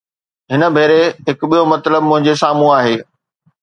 هن ڀيري هڪ ٻيو مطلب منهنجي سامهون آهي.